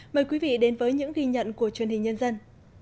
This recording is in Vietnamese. mời quý vị đến với những ghi nhận của truyền hình nhân dân